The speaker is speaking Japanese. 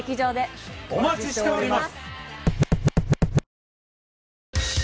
お待ちしております！